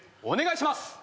お願いします。